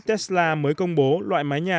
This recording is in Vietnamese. tesla mới công bố loại mái nhà